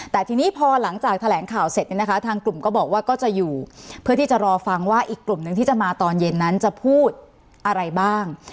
แต่ทีนี้พอหลังจากแถลงข่าวเสร็จเนี่ยนะคะทางกลุ่มก็บอกว่าก็จะอยู่เพื่อที่จะรอฟังว่าอีกกลุ่มหนึ่งที่จะมาตอนเย็นนั้นจะพูดอะไรบ้าง